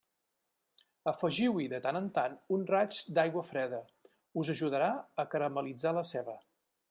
Afegiu-hi de tant en tant un raig d'aigua freda; us ajudarà a caramel·litzar la ceba.